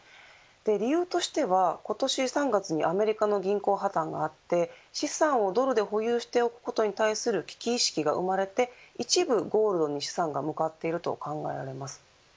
理由としては今年３月にアメリカの銀行破綻があって資産をドルで保有しておくことに対する危機意識が生まれて一部、ゴールドに資産が向かっていると考えられます。